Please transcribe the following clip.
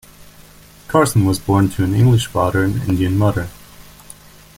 Carson was born to an English father and Indian mother.